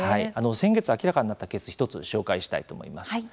先月、明らかになったケース１つ紹介したいと思います。